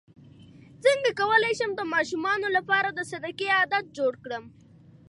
څنګه کولی شم د ماشومانو لپاره د صدقې عادت جوړ کړم